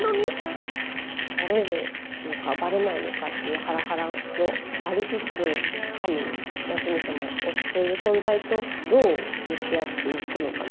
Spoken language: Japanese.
バレるのかバレないのかっていうハラハラもありつつ神八海サマ推しという存在とどう向き合っていくのかみたいな。